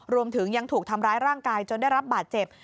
รวมถึงยังถูกทำร้ายร่างกายจนได้รับบาดเจ็บ